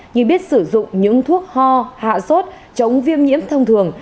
như biết sử dụng những thuốc ho hạ sốt chống viêm nhiễm thông thường